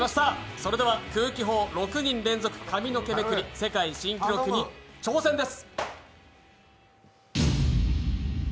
それでは空気砲６人連続髪の毛めくり、世界新記録に挑戦です。